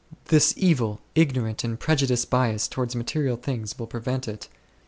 This evil, ignorant, and prejudiced bias towards material things will prevent it.